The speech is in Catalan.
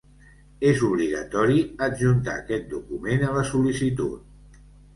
És obligatori adjuntar aquest document a la sol·licitud.